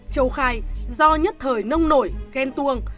châu khai do nhất thời nông nổi ghen tuồng